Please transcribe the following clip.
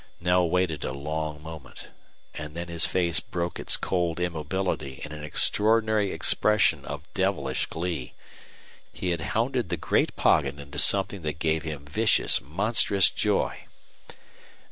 Knell waited a long moment, and then his face broke its cold immobility in an extraordinary expression of devilish glee. He had hounded the great Poggin into something that gave him vicious, monstrous joy.